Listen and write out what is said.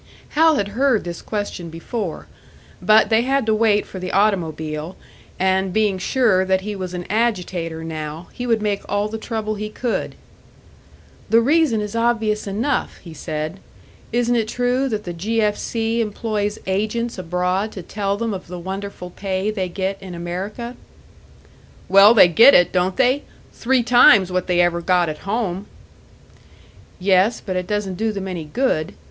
Hal had heard this question before; but they had to wait for the automobile and being sure that he was an agitator now, he would make all the trouble he could! "The reason is obvious enough," he said. "Isn't it true that the 'G. F. C.' employs agents abroad to tell them of the wonderful pay they get in America?" "Well, they get it, don't they? Three times what they ever got at home!" "Yes, but it doesn't do them any good.